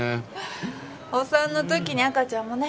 お産の時に赤ちゃんもね。